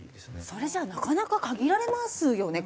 それじゃあなかなか限られますよね